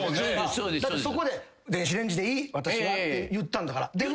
だってそこで「電子レンジでいい私は」って言ったんだから。